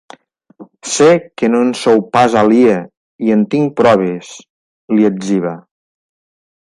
Sé que no en sou pas aliè i en tinc proves, li etziba.